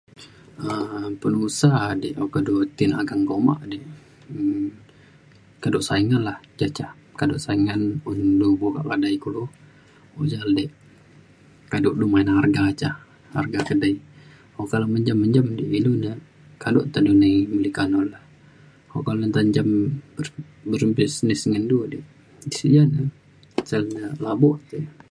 um penusa di okak du ti dageng ka uma di um kado saing nya la. ja ca kado saingan un du bukak kedai kulo o ja la dik kado du main harga ca harga kedai. okak le menjam menjam di ilu na kado te du nai meli kanun la. okak le nta menjam ber- berbisnes ngan du di sik ja ne sale ne labuk ti.